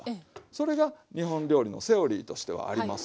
それが日本料理のセオリーとしてはあります。